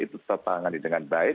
itu tetap tangani dengan baik